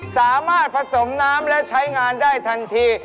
สามารถผสมน้ำและใช้งานได้ทันที